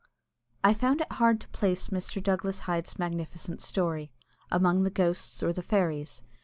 [I found it hard to place Mr. Douglas Hyde's magnificent story. Among the ghosts or the fairies?